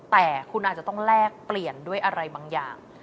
แต่คุณอาจจะต้องแลกเปลี่ยนด้วยอะไรบางอย่าง